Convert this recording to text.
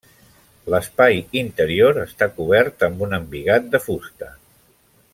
L'espai interior està cobert amb un embigat de fusta.